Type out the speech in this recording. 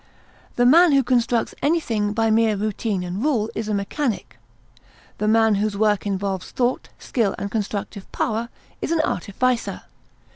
The man who constructs anything by mere routine and rule is a mechanic. The man whose work involves thought, skill, and constructive power is an artificer.